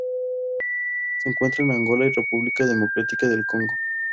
Se encuentran en Angola y República Democrática del Congo.